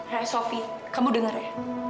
hei sofi kamu denger ya